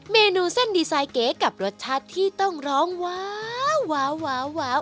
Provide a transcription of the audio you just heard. เมนูเส้นดีไซน์เก๋กับรสชาติที่ต้องร้องว้าว